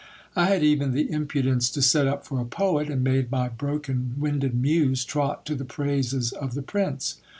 I had even the impudence to set up for a poet, and made my broken winded muse trot to the praises of the prince.